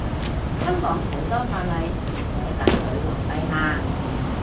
香港好多法例仲寫緊女皇陛下